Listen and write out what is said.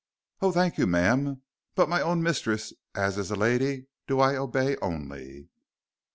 "Oh, thank you, ma'am, but my own mistress, as is a lady, do I obey only."